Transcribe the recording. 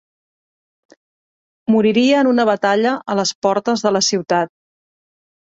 Moriria en una batalla a les portes de la ciutat.